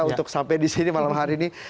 untuk sampai di sini malam hari ini